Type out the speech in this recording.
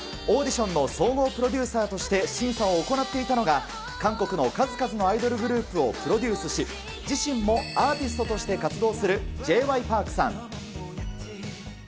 オーディションの総合プロデューサーとして審査を行っていたのが、韓国の数々のアイドルグループをプロデュースし、自身もアーティストとして活動する、Ｊ．Ｙ．Ｐａｒｋさん。